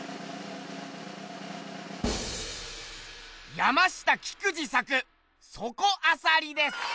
山下菊二作「そこあさり」です。